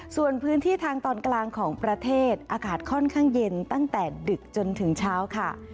ส่วนพื้นที่ทางตอนกลางของประเทศอากาศค่อนข้างเย็นตั้งแต่ดึกจนถึงเช้าค่ะ